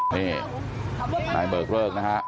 นี่นายเบอร์เกอร์กนะคะ